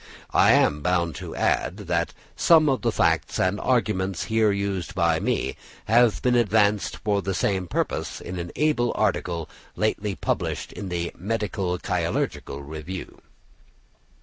I am bound to add, that some of the facts and arguments here used by me, have been advanced for the same purpose in an able article lately published in the "Medico Chirurgical Review."